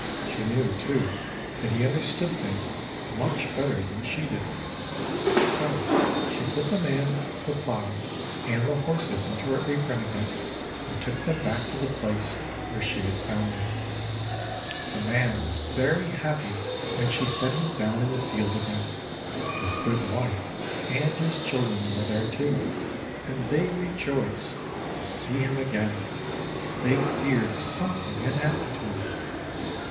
She knew, too, that he understood things much better than she did. So she put the man, the plow, and the horses into her apron again, and took them back to the place where she had found them. The man was very happy when she set him down in the field again. His good wife, and his children were there, too; and they rejoiced to see him again. They feared something had happened to him.